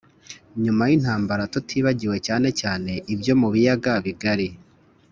nyuma y’intambara tutibagiwe cyane cyane ibyo mu biyaga bigali.